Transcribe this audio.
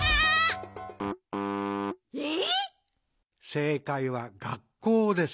「せいかいは学校です」。